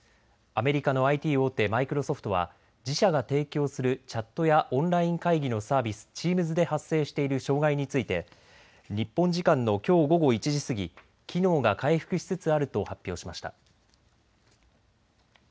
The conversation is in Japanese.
アメリカのＩＴ大手、マイクロソフトは自社が提供するチャットやオンライン会議のサービス、チームズで発生している障害について日本時間のきょう午後１時過ぎ、機能が回復しつつあると発表しました。